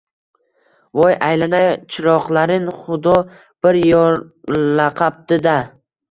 — Voy, aylanay chiroqlarim, xudo bir yorlaqabdi-da…